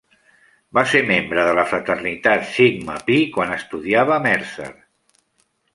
Va ser membre de la fraternitat Sigma Pi quan estudiava a Mercer.